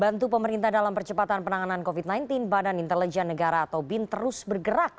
bantu pemerintah dalam percepatan penanganan covid sembilan belas badan intelijen negara atau bin terus bergerak